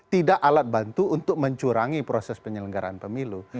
tidak alat bantu untuk mencurangi proses penyelenggaraan pemilu